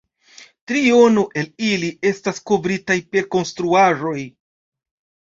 Triono el ili estas kovritaj per konstruaĵoj.